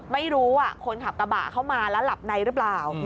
คนขับกระบะเข้ามาแล้วหลับในหรือเปล่า